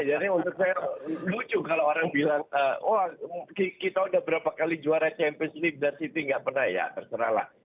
jadi untuk saya lucu kalau orang bilang wah kita udah berapa kali juara champions ini dan city gak pernah ya terserahlah